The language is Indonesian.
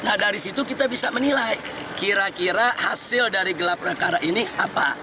nah dari situ kita bisa menilai kira kira hasil dari gelar perkara ini apa